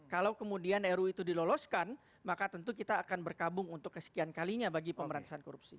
kalau kemudian ru itu diloloskan maka tentu kita akan berkabung untuk kesekian kalinya bagi pemberantasan korupsi